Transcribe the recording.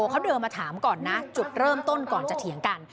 เขาเดินมาถามก่อนนะจุดเริ่มต้นก่อนจะเถียงกัน